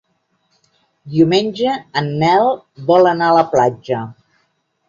Diumenge en Nel vol anar a la platja.